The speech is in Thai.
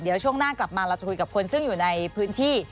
เดี๋ยวช่วงหน้ากลับมาเราจะคุยกับคนซึ่งอยู่ในพื้นที่